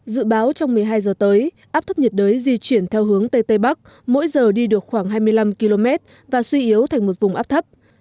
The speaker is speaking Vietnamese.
dự báo trong một mươi hai giờ tới áp thấp nhiệt đới di chuyển theo hướng tây tây bắc mỗi giờ đi được khoảng hai mươi năm km và suy yếu thành một vùng áp thấp